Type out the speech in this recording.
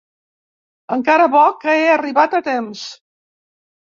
Encara bo que he arribat a temps.